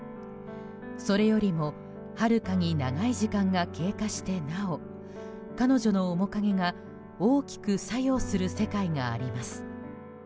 それよりもはるかに長い時間が経過してなお彼女の面影が大きく作用する世界があります。